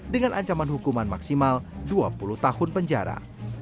dengan ancaman hukuman maksimal dua puluh tahun penjara